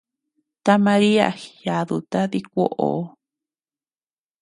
Ta María jiyaduta dikuoʼo.